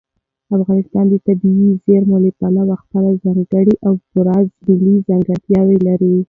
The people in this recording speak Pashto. افغانستان د طبیعي زیرمې له پلوه خپله ځانګړې او پوره ملي ځانګړتیا لري.